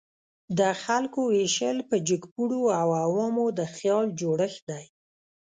د خلکو ویشل په جګپوړو او عوامو د خیال جوړښت دی.